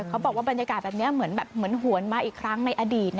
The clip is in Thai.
เขาบอกว่าบรรยากาศแบบนี้เหมือนหวนมาอีกครั้งในอดีต